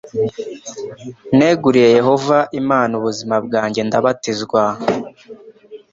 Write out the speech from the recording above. neguriye Yehova Imana ubuzima bwanjye ndabatizwa.